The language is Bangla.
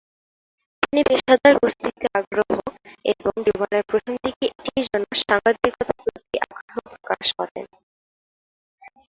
তিনি পেশাদার কুস্তিতে আগ্রহ এবং জীবনের প্রথম দিকে এটির জন্য সাংবাদিকতার প্রতি আগ্রহ প্রকাশ করেন।